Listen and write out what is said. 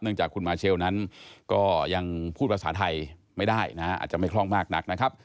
จากคุณมาเชลนั้นก็ยังพูดภาษาไทยไม่ได้นะฮะอาจจะไม่คล่องมากนักนะครับ